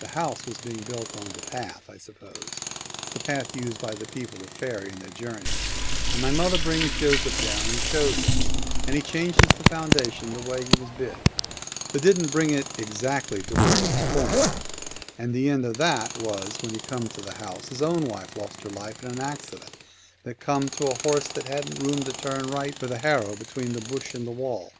The house was being built on " the path " I suppose — the path used by the people of faery in their journeys, and my mother brings Joseph down and shows him, and he changes the foundations, the way he was bid, but didn't bring it exactly to where was pointed, and the end of that was, when he come to the house, his own wife lost her life with an accident that come to a horse that hadn't room to turn right 20I The w ith a harrow between the bush and the Celtic Twilight, wall.